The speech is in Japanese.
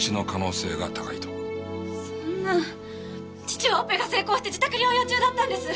父はオペが成功して自宅療養中だったんです。